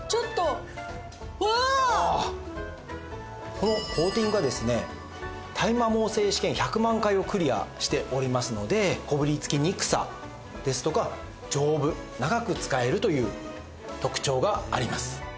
このコーティングはですね耐摩耗性試験１００万回をクリアしておりますのでこびりつきにくさですとか丈夫長く使えるという特徴があります。